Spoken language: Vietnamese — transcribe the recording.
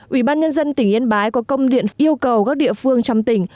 ủy ban nhân dân tỉnh yên bái có công điện yêu cầu các địa phương trong tỉnh